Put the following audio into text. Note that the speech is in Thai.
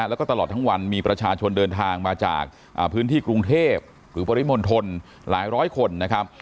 แล้วก็ตลอดทั้งวันมีประชาชนเดินทางมาจากพื้นที่กรุงเทพหรือปริมณฑลหลายร้อยคนนะครับ